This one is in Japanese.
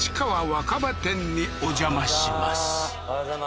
若葉店にお邪魔します